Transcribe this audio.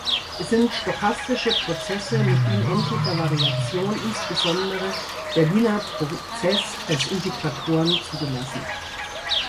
Es sind stochastische Prozesse mit unendlicher Variation, insbesondere der Wiener-Prozess, als Integratoren zugelassen.